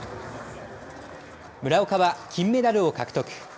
村岡は金メダルを獲得。